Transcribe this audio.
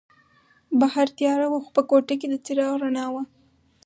بهر تیاره وه خو په کوټه کې د څراغ رڼا وه.